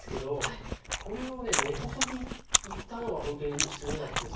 これを根こそぎいったのが本当にすごかったです。